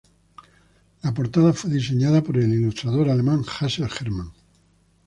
La portada fue diseñada por el ilustrador alemán Axel Hermann.